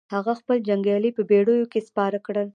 هغه خپل جنګيالي په بېړيو کې سپاره کړل.